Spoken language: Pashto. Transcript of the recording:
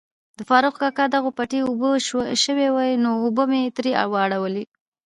د فاروق کاکا دغو پټی اوبه شوای وو نو اوبه می تري واړولي.